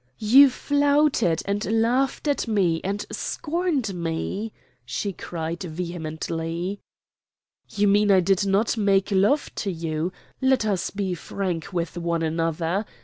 "You flouted and laughed at me and scorned me," she cried vehemently. "You mean I did not make love to you. Let us be frank with one another.